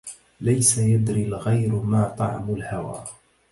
ليس يدري الغير ما طعم الهوى